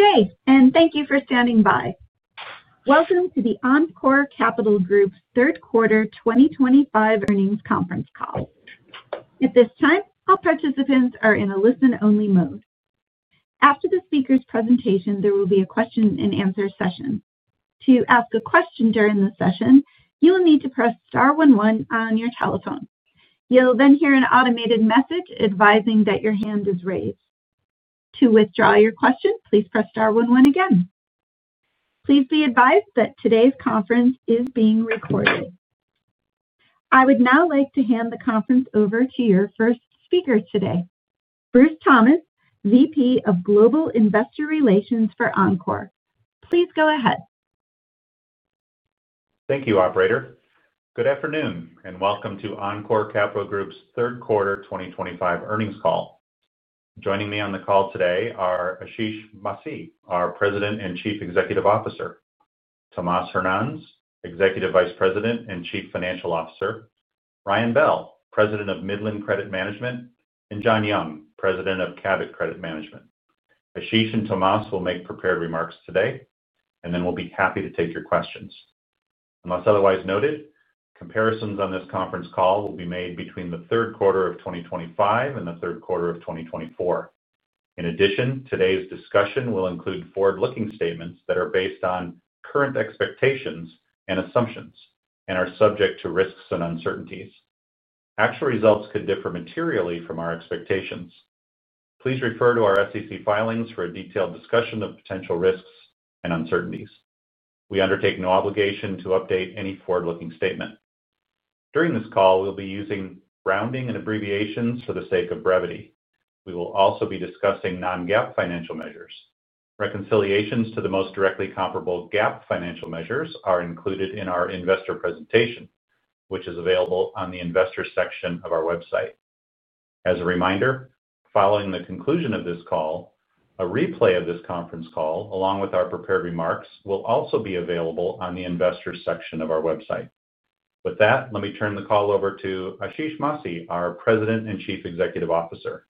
Good day, and thank you for standing by. Welcome to the Encore Capital Group's third quarter 2025 earnings conference call. At this time, all participants are in a listen-only mode. After the speaker's presentation, there will be a question-and-answer session. To ask a question during the session, you will need to press star one one on your telephone. You'll then hear an automated message advising that your hand is raised. To withdraw your question, please press star one one again. Please be advised that today's conference is being recorded. I would now like to hand the conference over to your first speaker today, Bruce Thomas, VP of Global Investor Relations for Encore. Please go ahead. Thank you, Operator. Good afternoon, and welcome to Encore Capital Group's third quarter 2025 earnings call. Joining me on the call today are Ashish Masih, our President and Chief Executive Officer; Tomas Hernanz, Executive Vice President and Chief Financial Officer; Ryan Bell, President of Midland Credit Management; and John Young, President of Cabot Credit Management. Ashish and Tomas will make prepared remarks today, and then we'll be happy to take your questions. Unless otherwise noted, comparisons on this conference call will be made between the third quarter of 2025 and the third quarter of 2024. In addition, today's discussion will include forward-looking statements that are based on current expectations and assumptions and are subject to risks and uncertainties. Actual results could differ materially from our expectations. Please refer to our SEC filings for a detailed discussion of potential risks and uncertainties. We undertake no obligation to update any forward-looking statement. During this call, we'll be using rounding and abbreviations for the sake of brevity. We will also be discussing non-GAAP financial measures. Reconciliations to the most directly comparable GAAP financial measures are included in our investor presentation, which is available on the Investor section of our website. As a reminder, following the conclusion of this call, a replay of this conference call, along with our prepared remarks, will also be available on the Investor section of our website. With that, let me turn the call over to Ashish Masih, our President and Chief Executive Officer.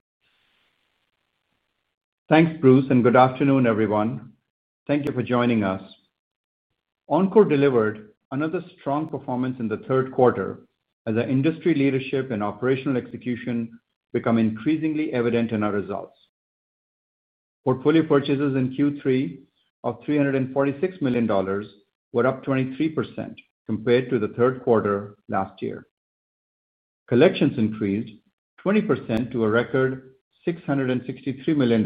Thanks, Bruce, and good afternoon, everyone. Thank you for joining us. Encore delivered another strong performance in the third quarter as industry leadership and operational execution became increasingly evident in our results. Portfolio purchases in Q3 of $346 million were up 23% compared to the third quarter last year. Collections increased 20% to a record $663 million.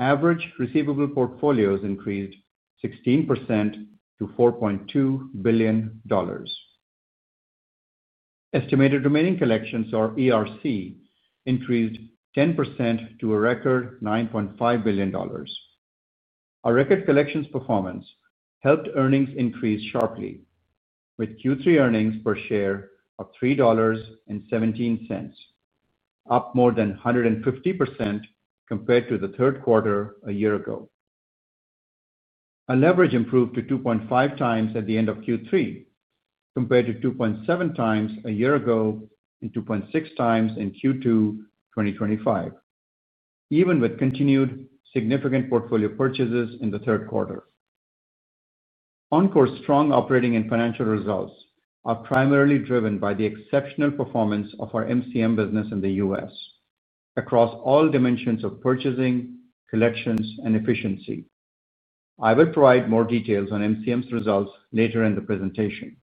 Average receivable portfolios increased 16% to $4.2 billion. Estimated remaining collections, or ERC, increased 10% to a record $9.5 billion. Our record collections performance helped earnings increase sharply, with Q3 earnings per share of $3.17, up more than 150% compared to the third quarter a year ago. Our leverage improved to 2.5x at the end of Q3, compared to 2.7x a year ago and 2.6x in Q2 2025, even with continued significant portfolio purchases in the third quarter. Encore's strong operating and financial results are primarily driven by the exceptional performance of our MCM business in the U.S. across all dimensions of purchasing, collections, and efficiency. I will provide more details on MCM's results later in the presentation.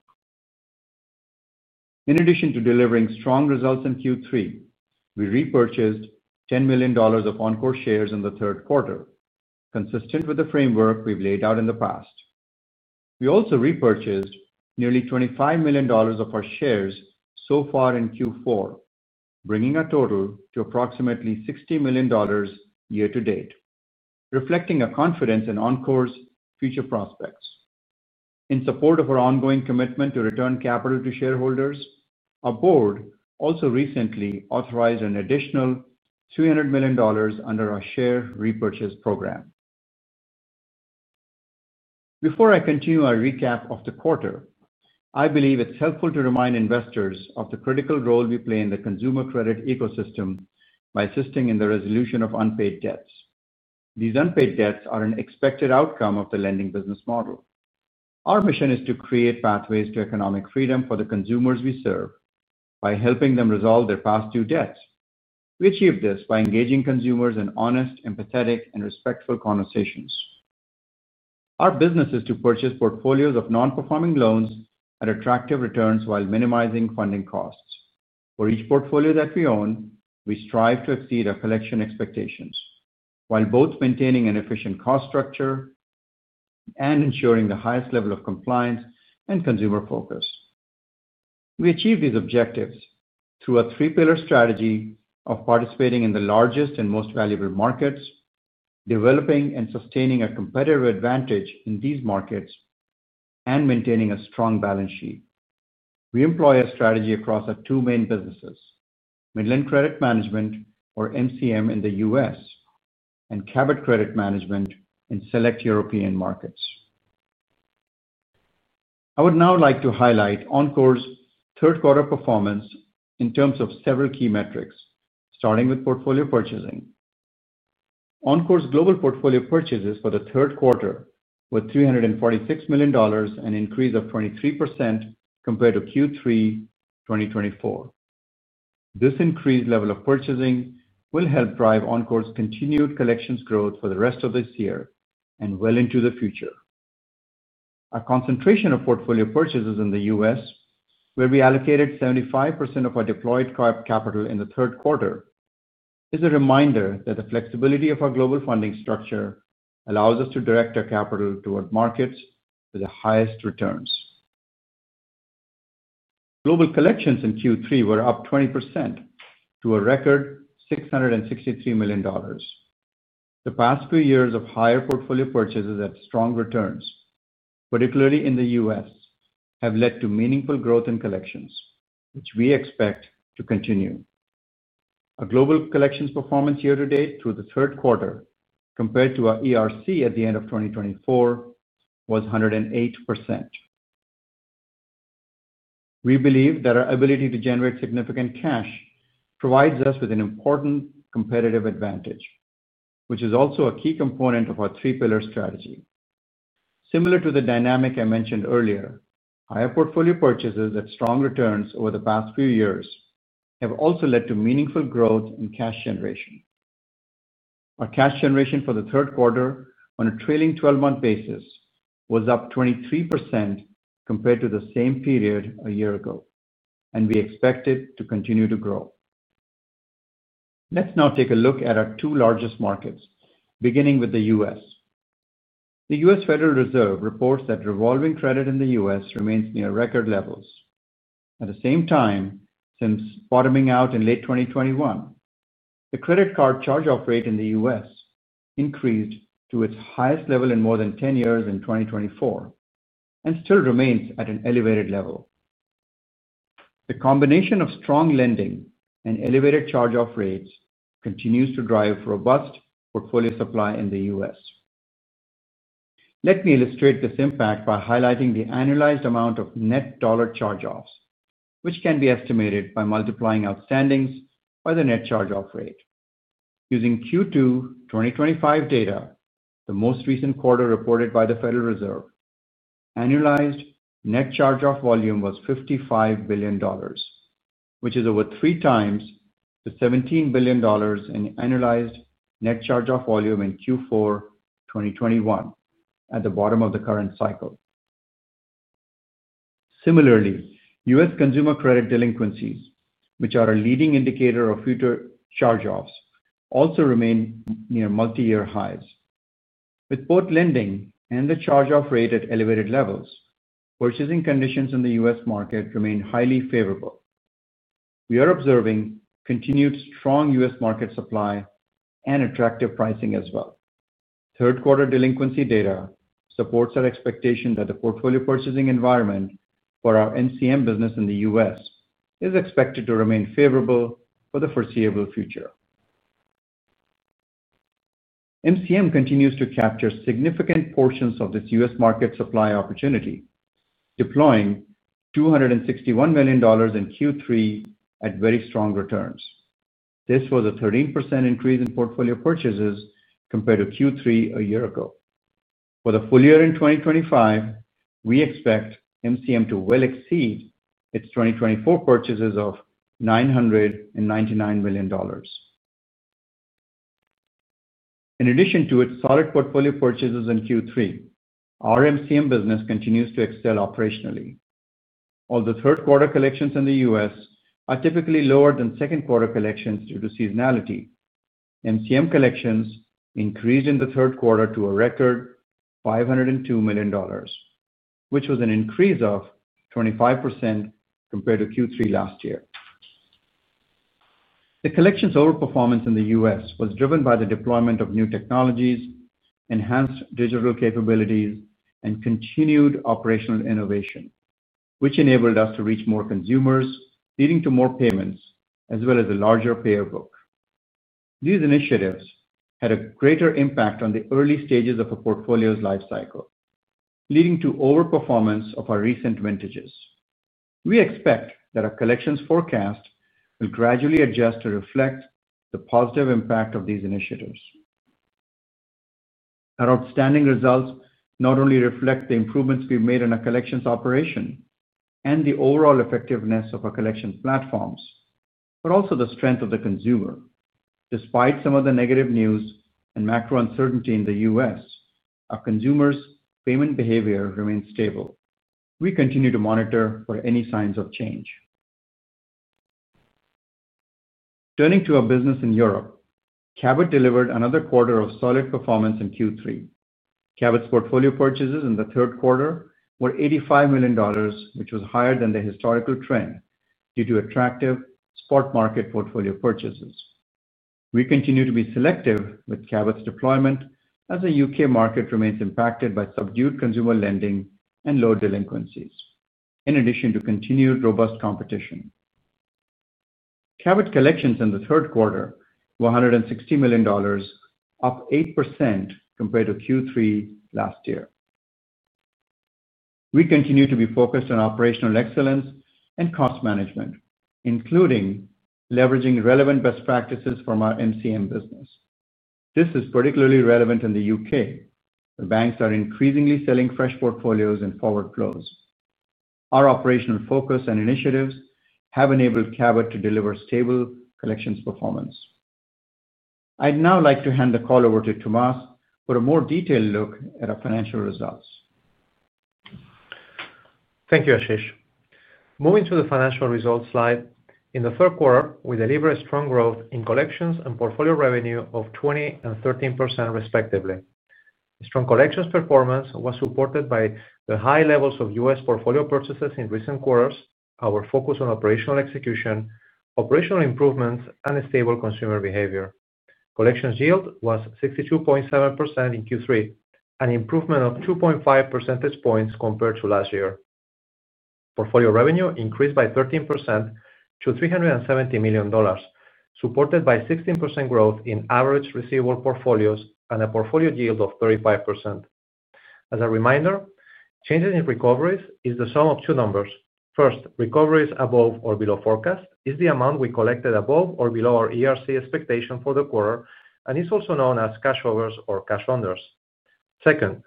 In addition to delivering strong results in Q3, we repurchased $10 million of Encore shares in the third quarter, consistent with the framework we've laid out in the past. We also repurchased nearly $25 million of our shares so far in Q4, bringing our total to approximately $60 million year to date, reflecting our confidence in Encore's future prospects. In support of our ongoing commitment to return capital to shareholders, our board also recently authorized an additional $300 million under our share repurchase program. Before I continue our recap of the quarter, I believe it's helpful to remind investors of the critical role we play in the consumer credit ecosystem by assisting in the resolution of unpaid debts. These unpaid debts are an expected outcome of the lending business model. Our mission is to create pathways to economic freedom for the consumers we serve by helping them resolve their past due debts. We achieve this by engaging consumers in honest, empathetic, and respectful conversations. Our business is to purchase portfolios of non-performing loans at attractive returns while minimizing funding costs. For each portfolio that we own, we strive to exceed our collection expectations while both maintaining an efficient cost structure and ensuring the highest level of compliance and consumer focus. We achieve these objectives through a three-pillar strategy of participating in the largest and most valuable markets, developing and sustaining a competitive advantage in these markets, and maintaining a strong balance sheet. We employ a strategy across our two main businesses: Midland Credit Management, or MCM in the U.S., and Cabot Credit Management in select European markets. I would now like to highlight Encore's third-quarter performance in terms of several key metrics, starting with portfolio purchasing. Encore's global portfolio purchases for the third quarter were $346 million, an increase of 23% compared to Q3 2024. This increased level of purchasing will help drive Encore's continued collections growth for the rest of this year and well into the future. Our concentration of portfolio purchases in the U.S., where we allocated 75% of our deployed capital in the third quarter, is a reminder that the flexibility of our global funding structure allows us to direct our capital toward markets with the highest returns. Global collections in Q3 were up 20% to a record $663 million. The past few years of higher portfolio purchases at strong returns, particularly in the U.S., have led to meaningful growth in collections, which we expect to continue. Our global collections performance year to date through the third quarter, compared to our ERC at the end of 2024, was 108%. We believe that our ability to generate significant cash provides us with an important competitive advantage, which is also a key component of our three-pillar strategy. Similar to the dynamic I mentioned earlier, higher portfolio purchases at strong returns over the past few years have also led to meaningful growth in cash generation. Our cash generation for the third quarter, on a trailing 12-month basis, was up 23% compared to the same period a year ago, and we expect it to continue to grow. Let's now take a look at our two largest markets, beginning with the U.S. The U.S. Federal Reserve reports that revolving credit in the U.S. remains near record levels. At the same time, since bottoming out in late 2021, the credit card charge-off rate in the U.S. increased to its highest level in more than 10 years in 2024 and still remains at an elevated level. The combination of strong lending and elevated charge-off rates continues to drive robust portfolio supply in the U.S. Let me illustrate this impact by highlighting the annualized amount of net dollar charge-offs, which can be estimated by multiplying outstandings by the net charge-off rate. Using Q2 2025 data, the most recent quarter reported by the Federal Reserve, annualized net charge-off volume was $55 billion, which is over 3x the $17 billion in annualized net charge-off volume in Q4 2021, at the bottom of the current cycle. Similarly, U.S. consumer credit delinquencies, which are a leading indicator of future charge-offs, also remain near multi-year highs. With both lending and the charge-off rate at elevated levels, purchasing conditions in the U.S. market remain highly favorable. We are observing continued strong U.S. market supply and attractive pricing as well. Third-quarter delinquency data supports our expectation that the portfolio purchasing environment for our MCM business in the U.S. is expected to remain favorable for the foreseeable future. MCM continues to capture significant portions of this U.S. market supply opportunity, deploying $261 million in Q3 at very strong returns. This was a 13% increase in portfolio purchases compared to Q3 a year ago. For the full year in 2025, we expect MCM to well exceed its 2024 purchases of $999 million. In addition to its solid portfolio purchases in Q3, our MCM business continues to excel operationally. Although third-quarter collections in the U.S. are typically lower than second-quarter collections due to seasonality, MCM collections increased in the third quarter to a record $502 million, which was an increase of 25% compared to Q3 last year. The collections' overperformance in the U.S. was driven by the deployment of new technologies, enhanced digital capabilities, and continued operational innovation, which enabled us to reach more consumers, leading to more payments, as well as a larger payer book. These initiatives had a greater impact on the early stages of a portfolio's life cycle, leading to overperformance of our recent vintages. We expect that our collections forecast will gradually adjust to reflect the positive impact of these initiatives. Our outstanding results not only reflect the improvements we've made in our collections operation and the overall effectiveness of our collections platforms, but also the strength of the consumer. Despite some of the negative news and macro uncertainty in the U.S., our consumers' payment behavior remains stable. We continue to monitor for any signs of change. Turning to our business in Europe, Cabot delivered another quarter of solid performance in Q3. Cabot's portfolio purchases in the third quarter were $85 million, which was higher than the historical trend due to attractive spot market portfolio purchases. We continue to be selective with Cabot's deployment as the U.K. market remains impacted by subdued consumer lending and low delinquencies, in addition to continued robust competition. Cabot collections in the third quarter were $160 million, up 8% compared to Q3 last year. We continue to be focused on operational excellence and cost management, including leveraging relevant best practices from our MCM business. This is particularly relevant in the U.K., where banks are increasingly selling fresh portfolios and forward flows. Our operational focus and initiatives have enabled Cabot to deliver stable collections performance. I'd now like to hand the call over to Tomas for a more detailed look at our financial results. Thank you, Ashish. Moving to the financial results slide, in the third quarter, we delivered strong growth in collections and portfolio revenue of 20% and 13%, respectively. Strong collections performance was supported by the high levels of U.S. portfolio purchases in recent quarters, our focus on operational execution, operational improvements, and stable consumer behavior. Collections yield was 62.7% in Q3, an improvement of 2.5 percentage points compared to last year. Portfolio revenue increased by 13% to $370 million, supported by 16% growth in average receivable portfolios and a portfolio yield of 35%. As a reminder, changes in recoveries are the sum of two numbers. First, recoveries above or below forecast are the amount we collected above or below our ERC expectation for the quarter, and it's also known as cashovers or cashunders. Second,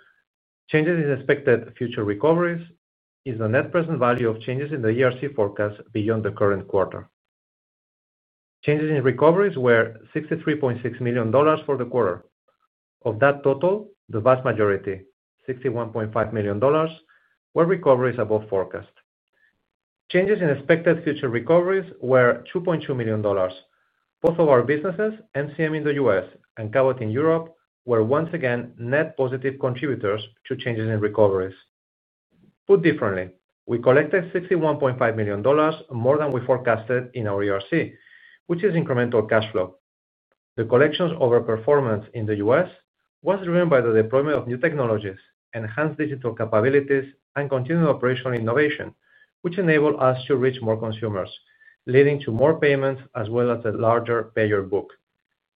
changes in expected future recoveries are the net present value of changes in the ERC forecast beyond the current quarter. Changes in recoveries were $63.6 million for the quarter. Of that total, the vast majority, $61.5 million, were recoveries above forecast. Changes in expected future recoveries were $2.2 million. Both of our businesses, MCM in the U.S. and Cabot in Europe, were once again net positive contributors to changes in recoveries. Put differently, we collected $61.5 million more than we forecasted in our ERC, which is incremental cash flow. The collections' overperformance in the U.S. was driven by the deployment of new technologies, enhanced digital capabilities, and continued operational innovation, which enabled us to reach more consumers, leading to more payments as well as a larger payer book.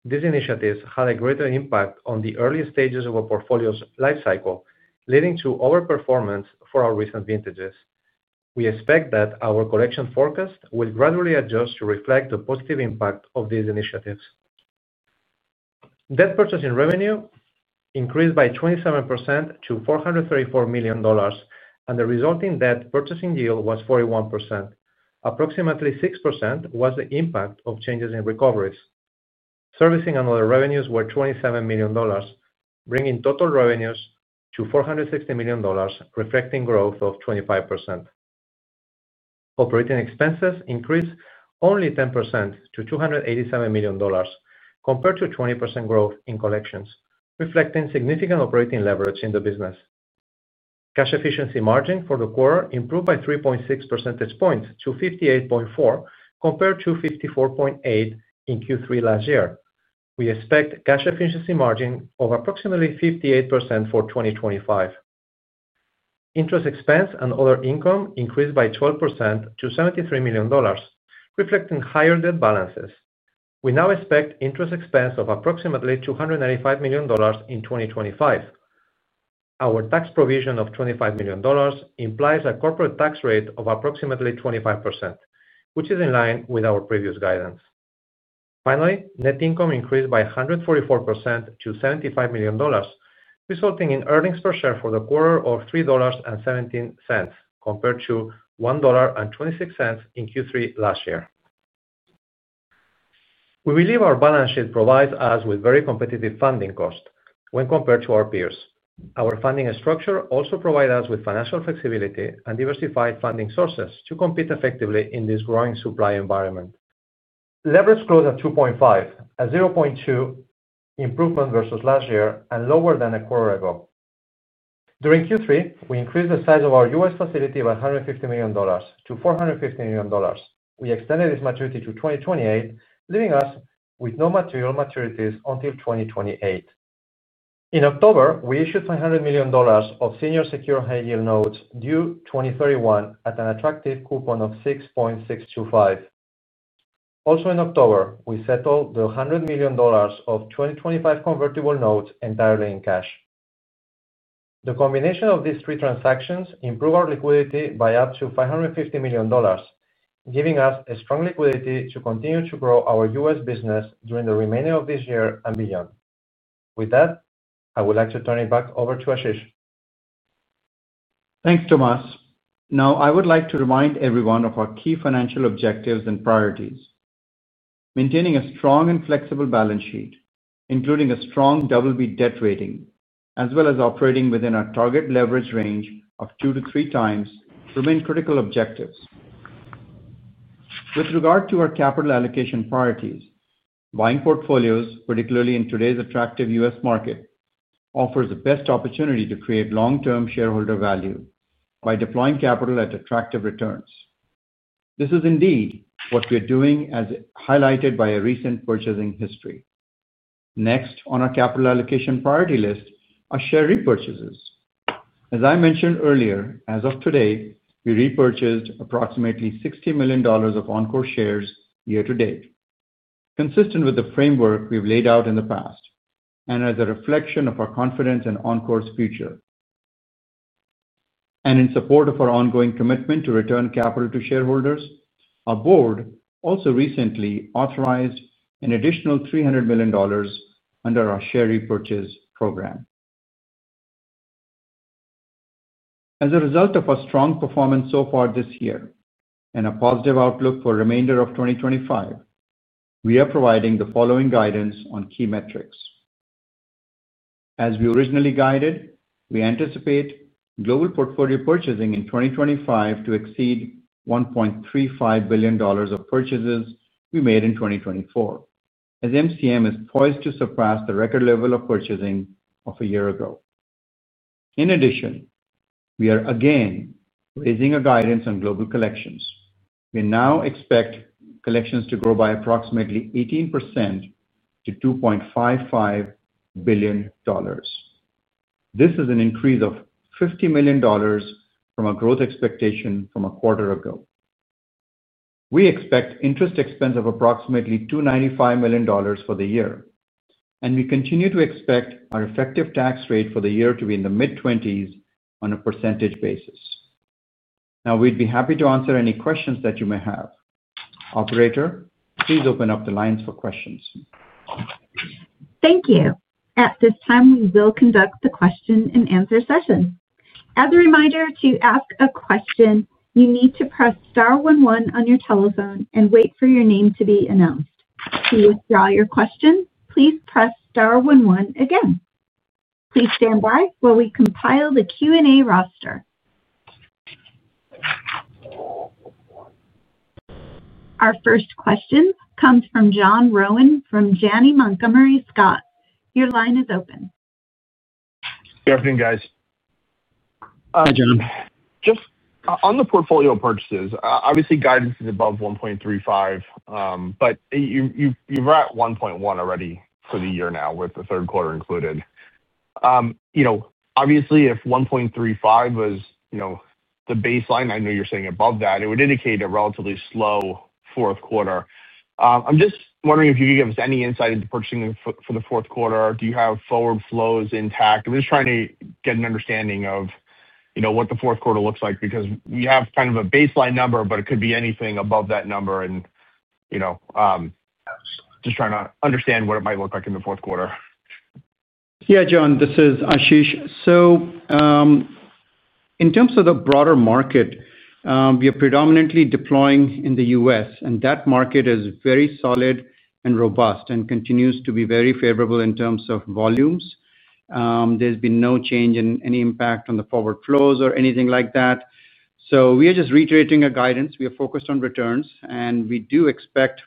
These initiatives had a greater impact on the early stages of a portfolio's life cycle, leading to overperformance for our recent vintages. We expect that our collection forecast will gradually adjust to reflect the positive impact of these initiatives. Debt purchasing revenue increased by 27% to $434 million, and the resulting debt purchasing yield was 41%. Approximately 6% was the impact of changes in recoveries. Servicing and other revenues were $27 million, bringing total revenues to $460 million, reflecting growth of 25%. Operating expenses increased only 10% to $287 million, compared to 20% growth in collections, reflecting significant operating leverage in the business. Cash efficiency margin for the quarter improved by 3.6 percentage points to 58.4% compared to 54.8% in Q3 last year. We expect cash efficiency margin of approximately 58% for 2025. Interest expense and other income increased by 12% to $73 million, reflecting higher debt balances. We now expect interest expense of approximately $295 million in 2025. Our tax provision of $25 million implies a corporate tax rate of approximately 25%, which is in line with our previous guidance. Finally, net income increased by 144% to $75 million, resulting in earnings per share for the quarter of $3.17 compared to $1.26 in Q3 last year. We believe our balance sheet provides us with very competitive funding costs when compared to our peers. Our funding structure also provides us with financial flexibility and diversified funding sources to compete effectively in this growing supply environment. Leverage growth at 2.5x a 0.2x improvement versus last year, and lower than a quarter ago. During Q3, we increased the size of our U.S. facility by $150 million to $450 million. We extended its maturity to 2028, leaving us with no material maturities until 2028. In October, we issued $300 million of senior secured high-yield notes due 2031 at an attractive coupon of 6.625%. Also, in October, we settled the $100 million of 2025 convertible notes entirely in cash. The combination of these three transactions improved our liquidity by up to $550 million, giving us strong liquidity to continue to grow our U.S. business during the remainder of this year and beyond. With that, I would like to turn it back over to Ashish. Thanks, Tomas. Now, I would like to remind everyone of our key financial objectives and priorities. Maintaining a strong and flexible balance sheet, including a strong double-B debt rating, as well as operating within our target leverage range of 2x-3x remain critical objectives. With regard to our capital allocation priorities, buying portfolios, particularly in today's attractive U.S. market, offers the best opportunity to create long-term shareholder value by deploying capital at attractive returns. This is indeed what we're doing, as highlighted by our recent purchasing history. Next on our capital allocation priority list are share repurchases. As I mentioned earlier, as of today, we repurchased approximately $60 million of Encore shares year to date, consistent with the framework we've laid out in the past. As a reflection of our confidence in Encore's future. In support of our ongoing commitment to return capital to shareholders, our board also recently authorized an additional $300 million under our share repurchase program. As a result of our strong performance so far this year and a positive outlook for the remainder of 2025, we are providing the following guidance on key metrics. As we originally guided, we anticipate global portfolio purchasing in 2025 to exceed the $1.35 billion of purchases we made in 2024, as MCM is poised to surpass the record level of purchasing of a year ago. In addition, we are again raising our guidance on global collections. We now expect collections to grow by approximately 18% to $2.55 billion. This is an increase of $50 million from our growth expectation from a quarter ago. We expect interest expense of approximately $295 million for the year, and we continue to expect our effective tax rate for the year to be in the mid-20s on a percentage basis. Now, we'd be happy to answer any questions that you may have. Operator, please open up the lines for questions. Thank you. At this time, we will conduct the question-and-answer session. As a reminder, to ask a question, you need to press star one one on your telephone and wait for your name to be announced. To withdraw your question, please press star one one again. Please stand by while we compile the Q&A roster. Our first question comes from John Rowan from Janney Montgomery Scott. Your line is open. Good afternoon, guys. Hi, John. Just on the portfolio purchases, obviously, guidance is above $1.35 billion, but you've read $1.1 billion already for the year now, with the third quarter included. Obviously, if $1.35 billion was the baseline, I know you're saying above that, it would indicate a relatively slow fourth quarter. I'm just wondering if you could give us any insight into purchasing for the fourth quarter. Do you have forward flows intact? I'm just trying to get an understanding of what the fourth quarter looks like because we have kind of a baseline number, but it could be anything above that number. Just trying to understand what it might look like in the fourth quarter. Yeah, John, this is Ashish. In terms of the broader market, we are predominantly deploying in the U.S., and that market is very solid and robust and continues to be very favorable in terms of volumes. There has been no change in any impact on the forward flows or anything like that. We are just reiterating our guidance. We are focused on returns, and we do expect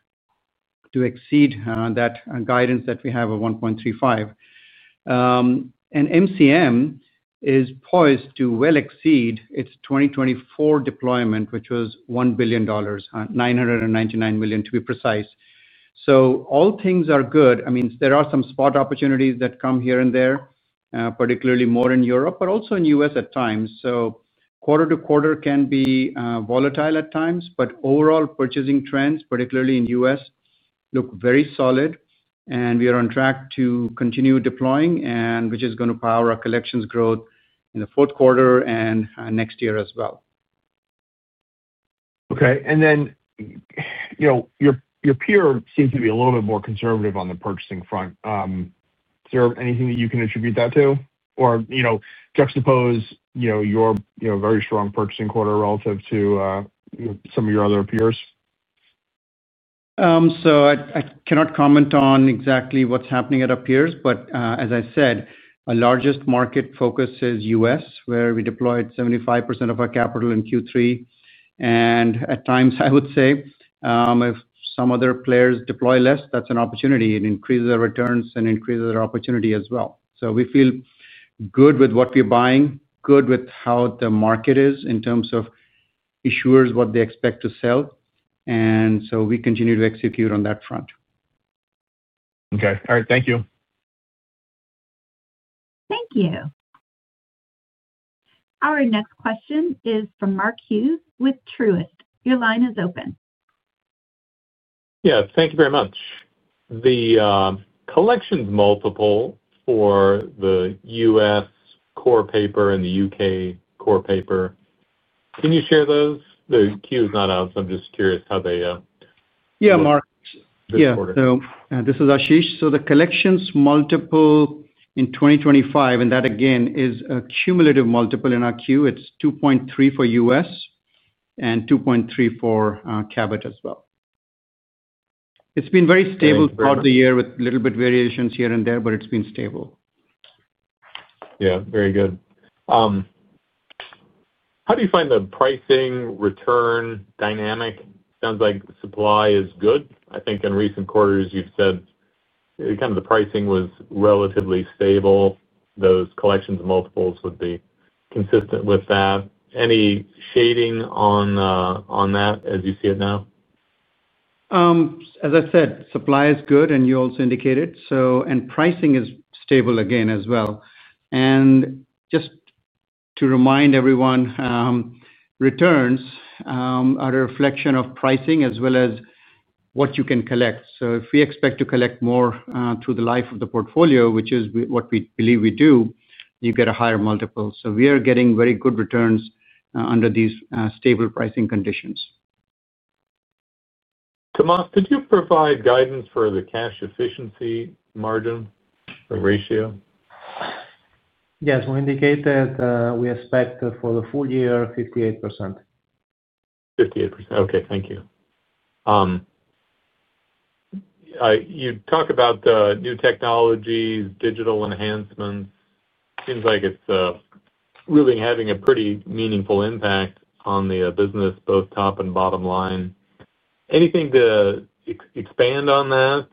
to exceed that guidance that we have of 1.35. MCM is poised to well exceed its 2024 deployment, which was $1 billion, $999 million, to be precise. All things are good. I mean, there are some spot opportunities that come here and there, particularly more in Europe, but also in the U.S. at times. Quarter to quarter can be volatile at times, but overall purchasing trends, particularly in the U.S., look very solid, and we are on track to continue deploying, which is going to power our collections growth in the fourth quarter and next year as well. Okay. Your peer seems to be a little bit more conservative on the purchasing front. Is there anything that you can attribute that to, or juxtapose your very strong purchasing quarter relative to some of your other peers? I cannot comment on exactly what's happening at our peers, but as I said, our largest market focus is U.S., where we deployed 75% of our capital in Q3. At times, I would say if some other players deploy less, that's an opportunity. It increases our returns and increases our opportunity as well. We feel good with what we're buying, good with how the market is in terms of issuers, what they expect to sell. We continue to execute on that front. Okay. All right. Thank you. Thank you. Our next question is from Mark Hughes with Truist. Your line is open. Yeah. Thank you very much. The collections multiple for the U.S. core paper and the U.K. core paper, can you share those? The queue is not out, so I'm just curious how they are this quarter. Yeah, Mark. Yeah. So this is Ashish. The collections multiple in 2025, and that again is a cumulative multiple in our queue. It's 2.3 for U.S. And 2.3 for Cabot as well. It's been very stable throughout the year with a little bit of variations here and there, but it's been stable. Yeah. Very good. How do you find the pricing return dynamic? Sounds like supply is good. I think in recent quarters, you've said kind of the pricing was relatively stable. Those collections multiples would be consistent with that. Any shading on that as you see it now? As I said, supply is good, and you also indicated. Pricing is stable again as well. Just to remind everyone, returns are a reflection of pricing as well as what you can collect. If we expect to collect more through the life of the portfolio, which is what we believe we do, you get a higher multiple. We are getting very good returns under these stable pricing conditions. Tomas, could you provide guidance for the cash efficiency margin or ratio? Yes. We indicate that we expect for the full year, 58%. 58%. Okay. Thank you. You talk about new technologies, digital enhancements. It seems like it's really having a pretty meaningful impact on the business, both top and bottom line. Anything to expand on that?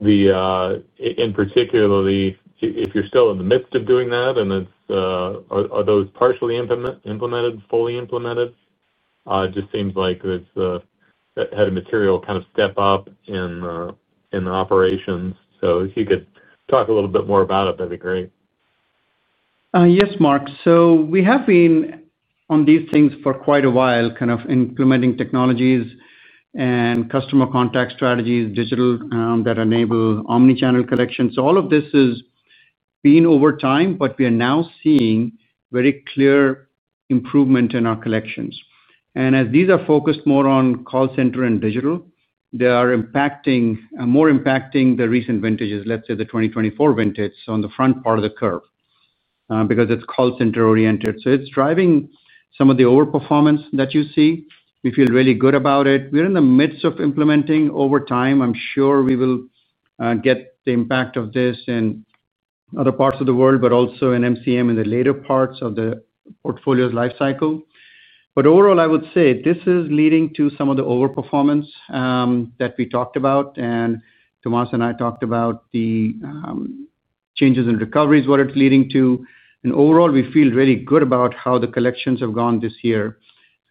In particular, if you're still in the midst of doing that, are those partially implemented, fully implemented? It just seems like it's had a material kind of step up in the operations. If you could talk a little bit more about it, that'd be great. Yes, Mark. We have been on these things for quite a while, kind of implementing technologies and customer contact strategies, digital that enable omnichannel collections. All of this has been over time, but we are now seeing very clear improvement in our collections. As these are focused more on call center and digital, they are impacting more impacting the recent vintages, let's say the 2024 vintage on the front part of the curve because it is call center oriented. It is driving some of the overperformance that you see. We feel really good about it. We are in the midst of implementing. Over time, I am sure we will get the impact of this in other parts of the world, but also in MCM in the later parts of the portfolio's lifecycle. Overall, I would say this is leading to some of the overperformance that we talked about. Tomas and I talked about the changes and recoveries, what it is leading to. Overall, we feel really good about how the collections have gone this year.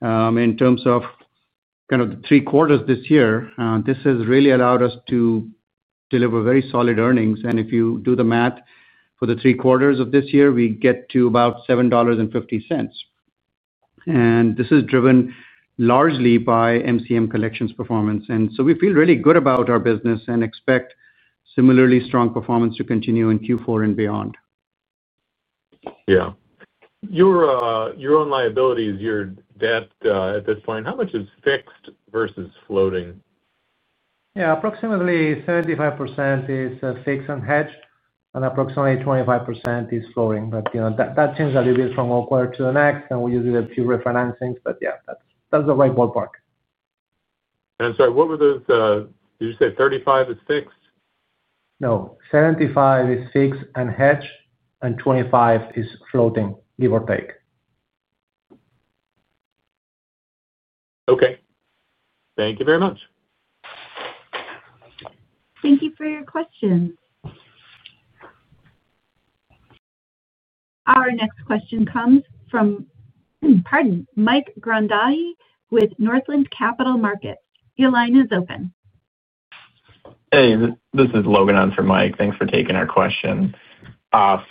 In terms of the three quarters this year, this has really allowed us to deliver very solid earnings. If you do the math for the three quarters of this year, we get to about $7.50. This is driven largely by MCM collections performance. We feel really good about our business and expect similarly strong performance to continue in Q4 and beyond. Yeah. Your own liabilities, your debt at this point, how much is fixed versus floating? Yeah. Approximately 75% is fixed and hedged, and approximately 25% is floating. That changes a little bit from one quarter to the next, and we usually have a few refinancings. Yeah, that's the right ballpark. I'm sorry, what were those? Did you say 35% is fixed? No. 75% is fixed and hedged, and 25% is floating, give or take. Okay. Thank you very much. Thank you for your questions. Our next question comes from, pardon, Mike Grandai with Northland Capital Markets. Your line is open. Hey, this is Logan. I'm for Mike. Thanks for taking our question.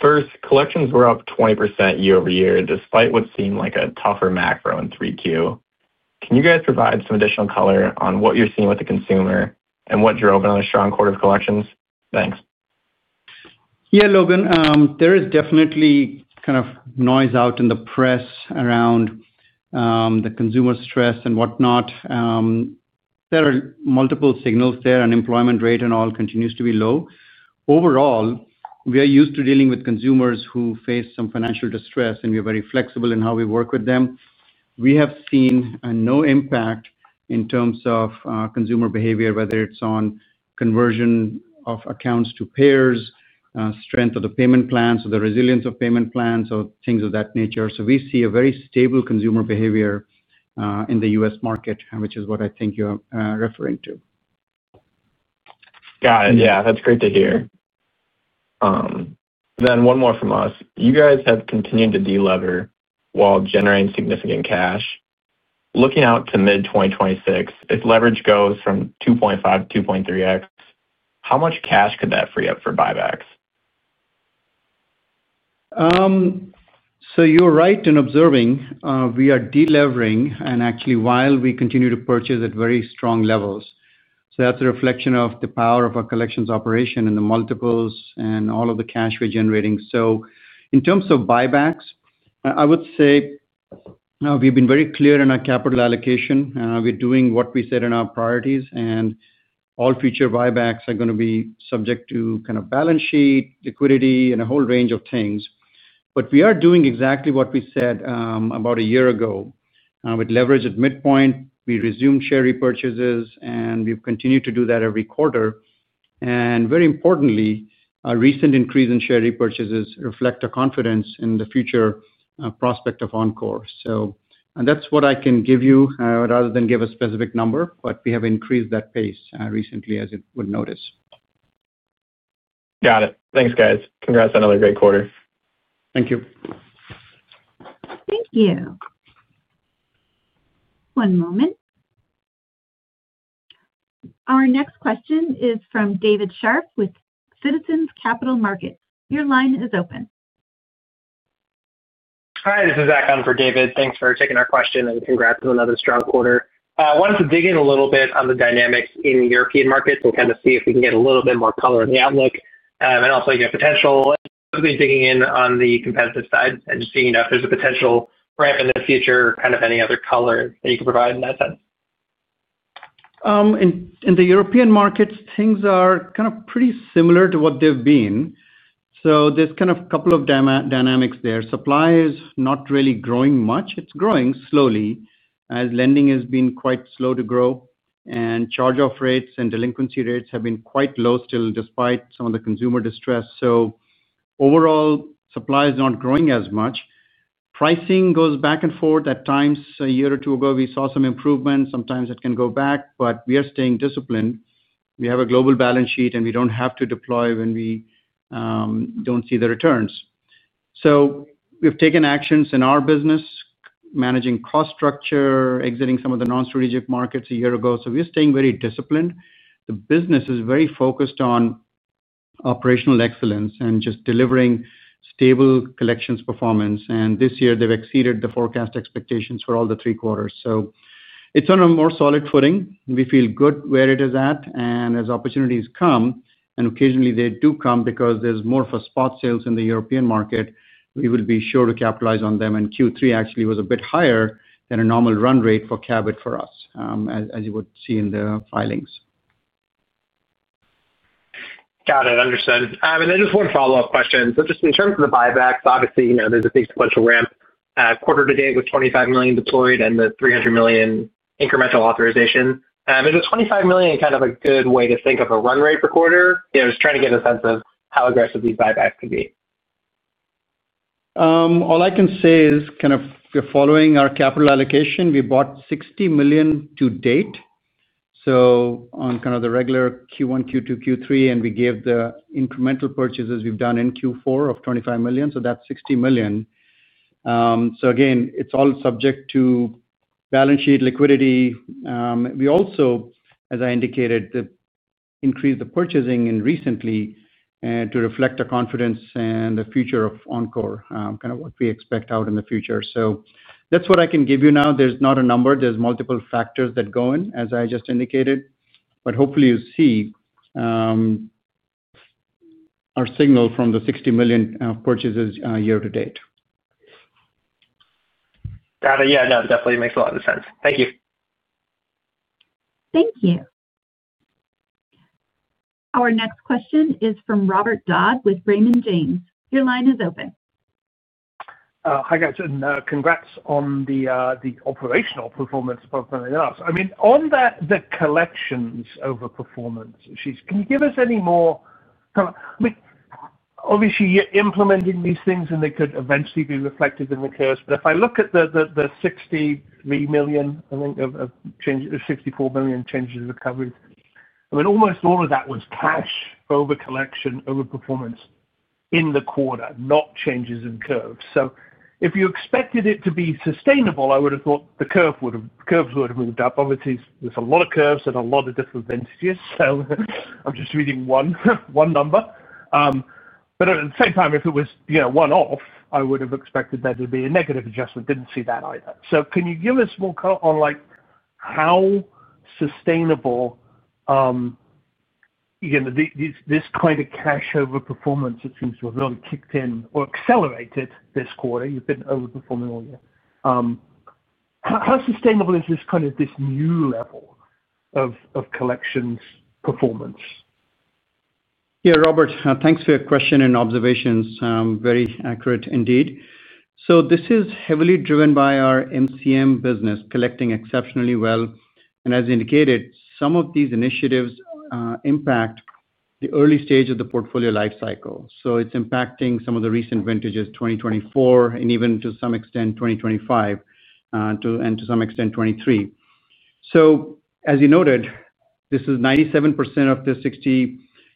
First, collections were up 20% year-over-year, despite what seemed like a tougher macro in Q3. Can you guys provide some additional color on what you're seeing with the consumer and what drove another strong quarter of collections? Thanks. Yeah, Logan. There is definitely kind of noise out in the press around the consumer stress and whatnot. There are multiple signals there. Unemployment rate and all continues to be low. Overall, we are used to dealing with consumers who face some financial distress, and we are very flexible in how we work with them. We have seen no impact in terms of consumer behavior, whether it's on conversion of accounts to payers, strength of the payment plans, or the resilience of payment plans, or things of that nature. We see a very stable consumer behavior in the US market, which is what I think you're referring to. Got it. Yeah. That's great to hear. One more from us. You guys have continued to delever while generating significant cash. Looking out to mid-2026, if leverage goes from 2.5x-2.3x, how much cash could that free up for buybacks? You're right in observing. We are delivering, and actually, while we continue to purchase at very strong levels. That's a reflection of the power of our collections operation and the multiples and all of the cash we're generating. In terms of buybacks, I would say we've been very clear in our capital allocation. We're doing what we said in our priorities, and all future buybacks are going to be subject to kind of balance sheet, liquidity, and a whole range of things. We are doing exactly what we said about a year ago. With leverage at midpoint, we resumed share repurchases, and we've continued to do that every quarter. Very importantly, our recent increase in share repurchases reflects our confidence in the future prospect of Encore. That's what I can give you rather than give a specific number, but we have increased that pace recently, as you would notice. Got it. Thanks, guys. Congrats on another great quarter. Thank you. Thank you. One moment. Our next question is from David Sharp with Citizens Capital Markets. Your line is open. Hi, this is Zach on for David. Thanks for taking our question and congrats on another strong quarter. I wanted to dig in a little bit on the dynamics in the European markets and kind of see if we can get a little bit more color on the outlook and also potential, especially digging in on the competitive side and seeing if there's a potential ramp in the future, kind of any other color that you can provide in that sense. In the European markets, things are kind of pretty similar to what they've been. There are kind of a couple of dynamics there. Supply is not really growing much. It's growing slowly as lending has been quite slow to grow, and charge-off rates and delinquency rates have been quite low still despite some of the consumer distress. Overall, supply is not growing as much. Pricing goes back and forth. At times, a year or two ago, we saw some improvements. Sometimes it can go back, but we are staying disciplined. We have a global balance sheet, and we don't have to deploy when we don't see the returns. We've taken actions in our business, managing cost structure, exiting some of the non-strategic markets a year ago. We're staying very disciplined. The business is very focused on operational excellence and just delivering stable collections performance. This year, they've exceeded the forecast expectations for all three quarters. It is on a more solid footing. We feel good where it is at. As opportunities come, and occasionally they do come because there's more of a spot sales in the European market, we will be sure to capitalize on them. Q3 actually was a bit higher than a normal run rate for Cabot for us, as you would see in the filings. Got it. Understood. Just one follow-up question. Just in terms of the buybacks, obviously, there is a big potential ramp. Quarter to date with $25 million deployed and the $300 million incremental authorization. Is the $25 million kind of a good way to think of a run rate per quarter? I was trying to get a sense of how aggressive these buybacks could be. All I can say is kind of following our capital allocation, we bought $60 million to date. On kind of the regular Q1, Q2, Q3, and we gave the incremental purchases we have done in Q4 of $25 million. That is $60 million. It is all subject to balance sheet, liquidity. We also, as I indicated, increased the purchasing recently to reflect our confidence and the future of Encore, kind of what we expect out in the future. That is what I can give you now. There is not a number. There are multiple factors that go in, as I just indicated. Hopefully, you see our signal from the $60 million purchases year to date. Got it. Yeah. No, definitely makes a lot of sense. Thank you. Thank you. Our next question is from Robert Dodd with Raymond James. Your line is open. Hi, guys. Congrats on the operational performance. I mean, on the collections overperformance, can you give us any more? I mean, obviously, you're implementing these things, and they could eventually be reflected in the curve. If I look at the $63 million, I think, of changes, $64 million changes and recoveries, I mean, almost all of that was cash over collection, overperformance in the quarter, not changes in curves. If you expected it to be sustainable, I would have thought the curves would have moved up. Obviously, there's a lot of curves and a lot of different vintages. I'm just reading one number. At the same time, if it was one off, I would have expected that it would be a negative adjustment. Didn't see that either. Can you give us more on how sustainable. This kind of cash overperformance that seems to have really kicked in or accelerated this quarter? You've been overperforming all year. How sustainable is this kind of new level of collections performance? Yeah, Robert, thanks for your question and observations. Very accurate indeed. This is heavily driven by our MCM business, collecting exceptionally well. As indicated, some of these initiatives impact the early stage of the portfolio lifecycle. It is impacting some of the recent vintages, 2024, and even to some extent, 2025. To some extent, 2023. As you noted, this is 97% of the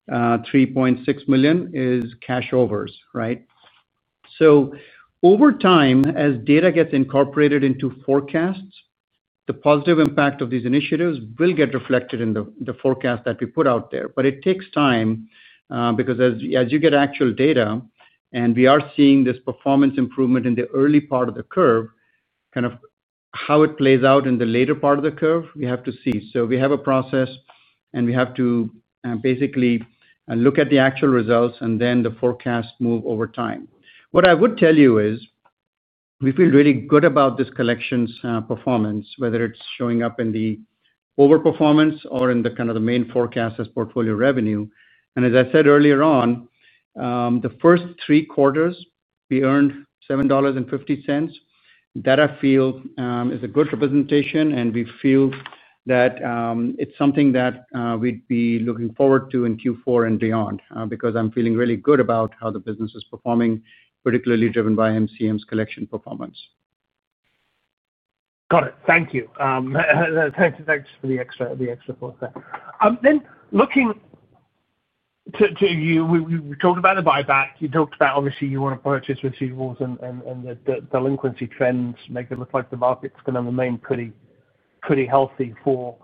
$63.6 million is cash overs, right? Over time, as data gets incorporated into forecasts, the positive impact of these initiatives will get reflected in the forecast that we put out there. It takes time because as you get actual data and we are seeing this performance improvement in the early part of the curve, kind of how it plays out in the later part of the curve, we have to see. We have a process, and we have to basically look at the actual results and then the forecast move over time. What I would tell you is we feel really good about this collections performance, whether it's showing up in the overperformance or in kind of the main forecast as portfolio revenue. As I said earlier on, the first three quarters, we earned $7.50. That I feel is a good representation, and we feel that it's something that we'd be looking forward to in Q4 and beyond because I'm feeling really good about how the business is performing, particularly driven by MCM's collection performance. Got it. Thank you. Thanks for the extra foresight. Looking to you, we've talked about the buyback. You talked about, obviously, you want to purchase receivables and the delinquency trends make it look like the market's going to remain pretty healthy for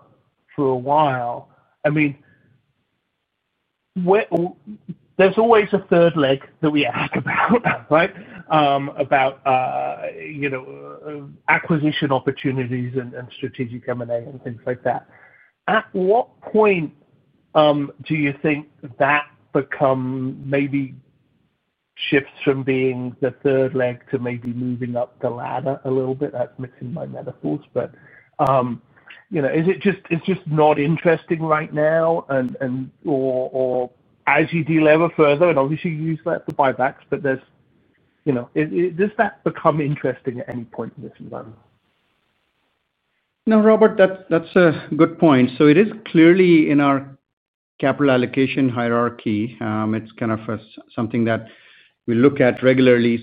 a while. I mean, there's always a third leg that we ask about, right? Acquisition opportunities and strategic M&A and things like that. At what point do you think that becomes maybe shifts from being the third leg to maybe moving up the ladder a little bit? That's mixing my metaphors, but is it just not interesting right now, or as you delever further and obviously use that for buybacks, does that become interesting at any point in this environment? No, Robert, that's a good point. It is clearly in our capital allocation hierarchy. It's kind of something that we look at regularly.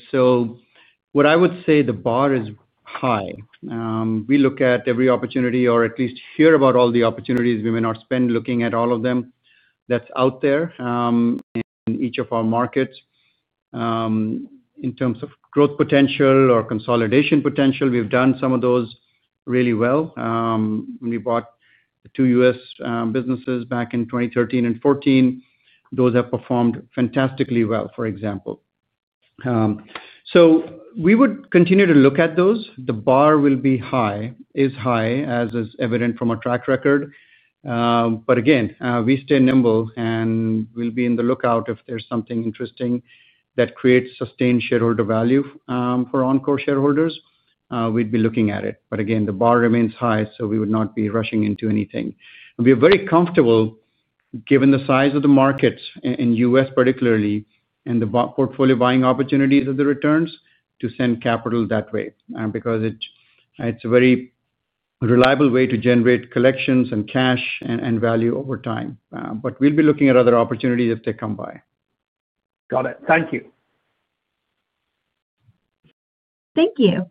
What I would say, the bar is high. We look at every opportunity or at least hear about all the opportunities. We may not spend looking at all of them that's out there in each of our markets. In terms of growth potential or consolidation potential, we've done some of those really well. We bought two U.S. businesses back in 2013 and 2014. Those have performed fantastically well, for example. We would continue to look at those. The bar will be high, is high, as is evident from our track record. Again, we stay nimble and will be on the lookout if there's something interesting that creates sustained shareholder value for Encore shareholders. We'd be looking at it. Again, the bar remains high, so we would not be rushing into anything. We are very comfortable, given the size of the markets in the U.S., particularly, and the portfolio buying opportunities of the returns, to send capital that way because it is a very reliable way to generate collections and cash and value over time. We will be looking at other opportunities if they come by. Got it. Thank you. Thank you.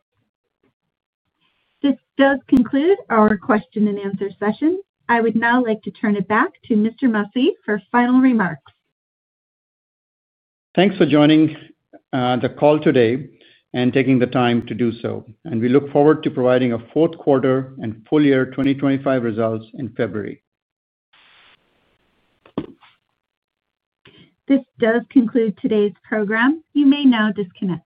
This does conclude our question-and-answer session. I would now like to turn it back to Mr. Masih for final remarks. Thanks for joining the call today and taking the time to do so. We look forward to providing fourth quarter and full year 2025 results in February. This does conclude today's program. You may now disconnect.